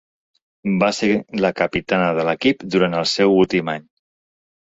Va ser la capitana de l'equip durant el seu últim any.